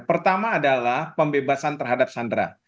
pertama adalah pembebasan terhadap sandera